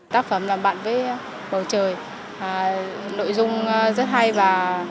tác phẩm làm bạn với bầu trời nội dung rất hay và